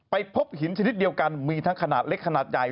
พบหินชนิดเดียวกันมีทั้งขนาดเล็กขนาดใหญ่